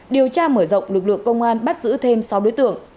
điều tra mở rộng lực lượng công an bắt giữ thêm sáu đối tượng